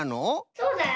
そうだよ。